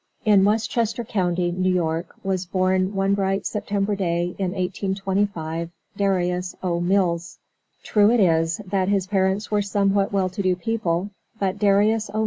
In Westchester county, New York, was born one bright September day, in 1825, Darius O. Mills. True, it is, that his parents were somewhat well to do people, but Darius O.